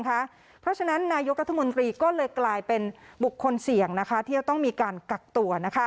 เพราะฉะนั้นนายกรัฐมนตรีก็เลยกลายเป็นบุคคลเสี่ยงที่จะต้องมีการกักตัว